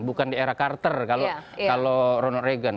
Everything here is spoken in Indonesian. bukan di era carter kalau ronald reagan